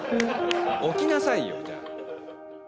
置きなさいよじゃあ。